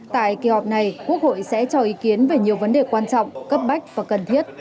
tại kỳ họp này quốc hội sẽ cho ý kiến về nhiều vấn đề quan trọng cấp bách và cần thiết